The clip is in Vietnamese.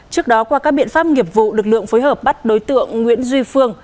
trước đó qua các biện pháp nghiệp vụ lực lượng phối hợp bắt đối tượng nguyễn duy phương